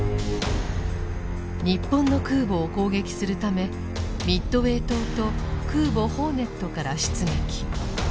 日本の空母を攻撃するためミッドウェー島と空母「ホーネット」から出撃。